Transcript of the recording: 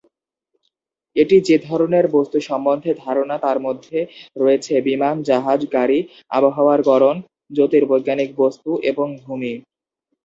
এটি যে ধরনের বস্তু সম্বন্ধে ধারণা তার মধ্যে রয়েছে বিমান, জাহাজ, গাড়ি, আবহাওয়ার গড়ন, জ্যোতির্বৈজ্ঞানিক বস্তু এবং ভূমি।